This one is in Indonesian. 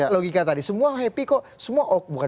logika tadi semua happy kok semua